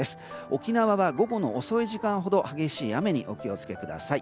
沖縄は午後の遅い時間ほど激しい雨にお気を付けください。